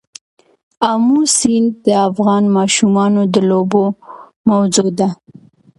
آمو سیند د افغان ماشومانو د لوبو موضوع ده.